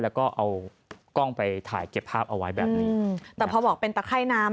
แล้วก็เอากล้องไปถ่ายเก็บภาพเอาไว้แบบนี้อืมแต่พอบอกเป็นตะไข้น้ำ